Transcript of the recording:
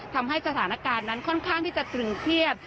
ทำให้สถานการณ์นั้นค่อนข้างที่จะตรึงเครียด